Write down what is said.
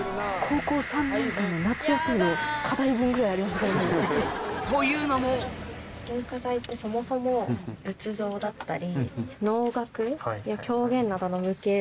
確かに。というのも文化財ってそもそも。があったり。